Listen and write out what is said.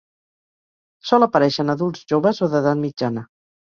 Sol aparèixer en adults joves o d'edat mitjana.